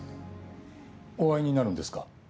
お会いになるんですか？